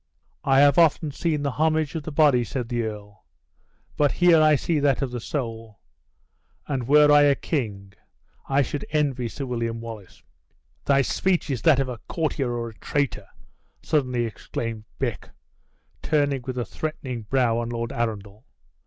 "I have often seen the homage of the body," said the earl; "but here I see that of the soul; and were I a king, I should envy Sir William Wallace!" "This speech is that of a courtier or a traitor!" suddenly exclaimed Beck, turning with a threatening brow on Lord Arundel.